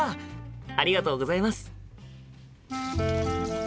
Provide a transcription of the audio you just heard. ありがとうございます。